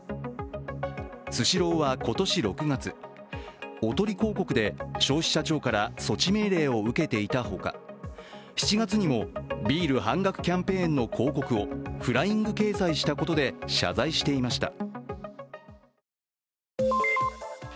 スシローは今年６月、おとり広告で消費者庁から措置命令を受けていたほか、７月にもビール半額キャンペーンの広告をフライング掲載したことで謝罪していました。